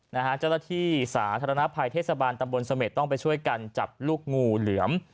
เจ้าหน้าที่สาธารณภัยเทศบาลตำบลเสม็ดต้องไปช่วยกันจับลูกงูเหลือม